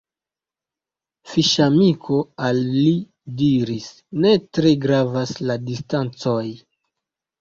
Fiŝamiko al li diris "Ne tre gravas la distancoj.